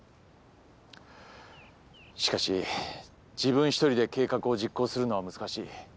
しかし自分一人で計画を実行するのは難しい。